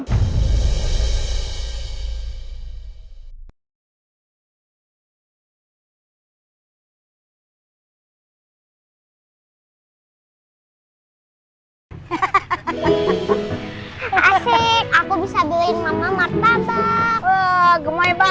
asyik aku bisa beliin mama martabak